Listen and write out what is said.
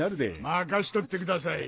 任しとってください。